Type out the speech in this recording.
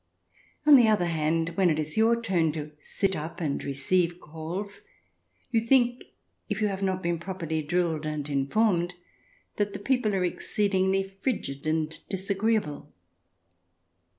On the other hand, when it is your turn to " sit up " and receive calls, you think, if you have not been properly drilled and informed, that the people are exceedingly frigid and disagreeable.